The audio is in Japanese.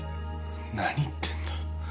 何言ってんだ？